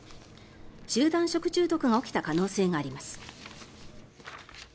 集団食中毒が起きた可能性があります。